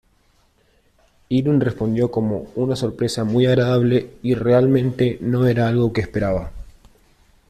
Irvine respondió como "una sorpresa muy agradable y realmente no era algo que esperaba".